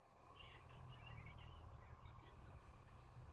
Mě o tomhle žádnej trpajzlík poučovat nebude!